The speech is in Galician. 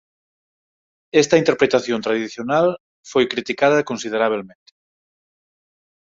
Esta interpretación tradicional foi criticada considerabelmente.